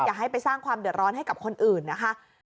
อย่าให้ไปสร้างความเดือดร้อนให้กับคนอื่นนะคะ